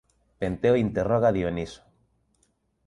Penteo interroga a Dioniso.